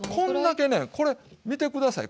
これ見て下さい。